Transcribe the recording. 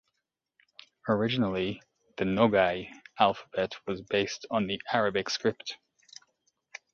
Originally, the Nogai alphabet was based on the Arabic script.